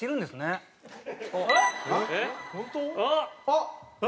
あっ！